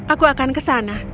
aku akan ke sana